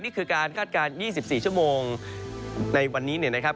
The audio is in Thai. นี่คือการคาดการณ์๒๔ชั่วโมงในวันนี้เนี่ยนะครับ